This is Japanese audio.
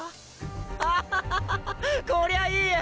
アハハハハッこりゃいいや！